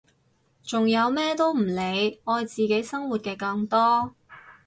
仲有咩都唔理愛自己生活嘅更多！